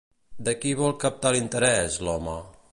De qui vol captar l'interès, l'home?